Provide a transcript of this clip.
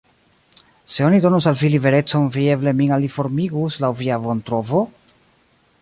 Se oni donus al vi liberecon, vi eble min aliformigus laŭ via bontrovo?